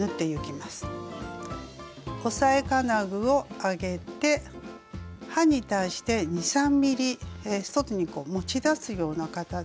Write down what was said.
押さえ金具を上げて刃に対して２３ｍｍ外に持ち出すような形にセットします。